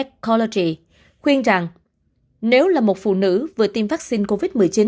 ecology khuyên rằng nếu là một phụ nữ vừa tiêm vaccine covid một mươi chín